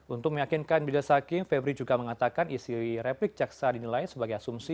untuk meyakinkan bidasaking febri juga mengatakan isi replik jaksa dinilai sebagai asumsi